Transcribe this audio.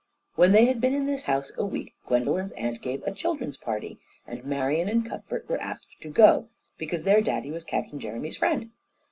When they had been in this house a week, Gwendolen's aunt gave a children's party, and Marian and Cuthbert were asked to go, because their daddy was Captain Jeremy's friend.